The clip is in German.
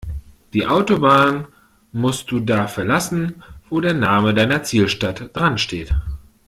Die Autobahn musst du da verlassen, wo der Name deiner Zielstadt dran steht.